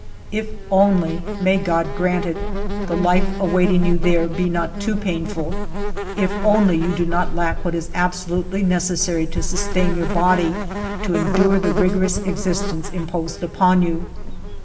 If only — may God grant it !— the life awaiting you there be not too painful ; if only you do not lack what is absolutely necessary to sustain your body to endure the rigorous existence imposed upon you.